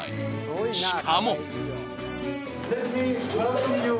［しかも］